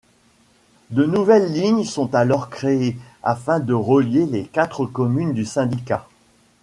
De nouvelles lignes sont alors crées afin de relier les quatre communes du syndicat.